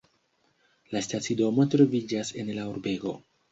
La stacidomo troviĝas en la urbego.